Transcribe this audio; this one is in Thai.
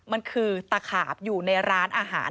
มันคือตะขาบอยู่ในร้านอาหาร